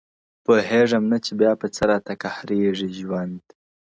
پوهېږم نه چي بيا په څه راته قهريږي ژوند.